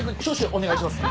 お願いします。